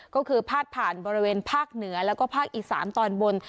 ก็คือพาดผ่านบริเวณภาคเหนือแล้วก็ภาคอีสานตอนบน